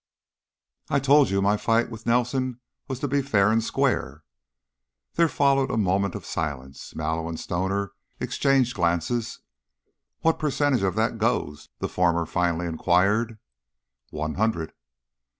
"I told you my fight with Nelson was to be fair and square." There followed a moment of silence. Mallow and Stoner exchanged glances. "What percentage of that goes?" the former finally inquired. "One hundred."